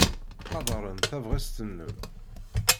Ttqadaren tabɣest-nnem.